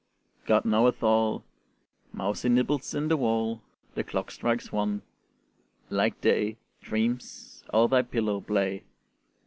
God knoweth all; Mousy nibbles in the wall; The clock strikes one: like day, Dreams o'er thy pillow play.